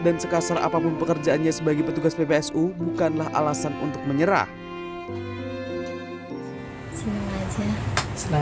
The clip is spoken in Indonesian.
dan sekasar apapun pekerjaannya sebagai petugas ppsu bukanlah alasan untuk menyerah senang aja senang